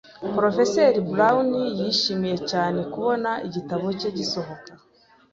Porofeseri Brown yishimiye cyane kubona igitabo cye gisohoka.